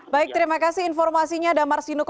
baik terima kasih informasinya